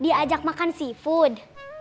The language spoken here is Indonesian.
dia ajak makan seafood